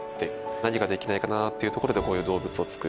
何かできないかっていうところでこういう動物を作る。